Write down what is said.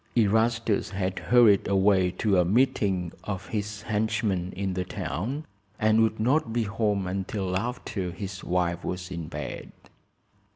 Erastus had hurried away to a meeting of his henchmen in the town, and would not be home until after his wife was in bed.